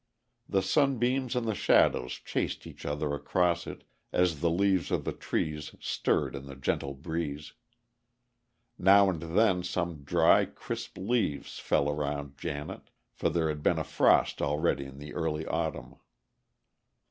The sunbeams and the shadows chased each other across it, as the leaves of the trees stirred in the gentle breeze. Now and then some dry, crisp leaves fell around Janet, for there had been a frost already in the early autumn.